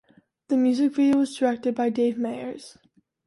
The music video was directed by Dave Meyers.